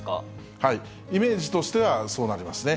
イメージとしてはそうなりますね。